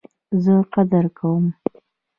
زه قدر کوم